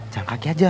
jangan kaki aja